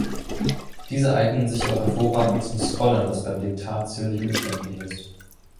Diese eignen sich auch hervorragend zum Scrollen, was beim Diktat ziemlich umständlich ist.